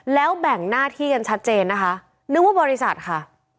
แล้วแบ่งหน้าที่กันชัดเจนนะคะนึกว่าบริษัทค่ะ